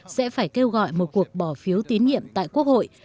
sẽ phải kêu gọi một cuộc bỏ phiếu tín nhiệm tại quốc hội